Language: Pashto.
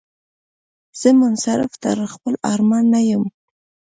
زه منصرف تر خپل ارمان نه یمه